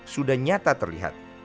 sudah nyata terlihat